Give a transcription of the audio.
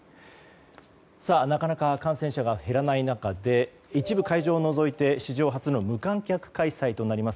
なかなか感染者が減らない中で一部会場を除いて史上初の無観客開催となります